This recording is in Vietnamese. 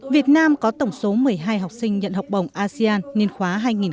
việt nam có tổng số một mươi hai học sinh nhận học bổng asean niên khóa hai nghìn hai mươi